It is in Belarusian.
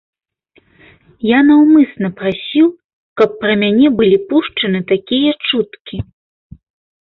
Я наўмысна прасіў, каб пра мяне былі пушчаны такія чуткі.